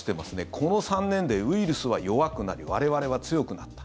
この３年でウイルスは弱くなり我々は強くなった。